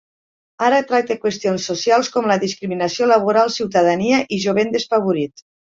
Ara tracta qüestions socials com la discriminació laboral, ciutadania i jovent desfavorit.